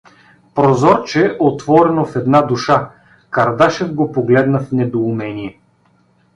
Прозорче, отворено в една душа Кардашев го погледна в недоумение.